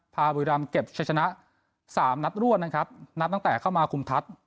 พาบุรัมเก็บเฉชนะ๓นับรวดนับตั้งแต่เข้ามาคุมทัศน์